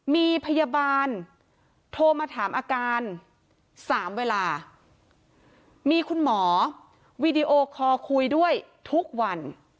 มีพยาบาลโทรมาถามอาการ๓เวลามีคุณหมอวีดีโอคอร์คุยด้วยทุกวัน